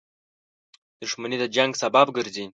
• دښمني د جنګ سبب ګرځي.